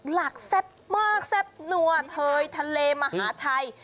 แซ่บมากแซ่บนัวเทยทะเลมหาชัย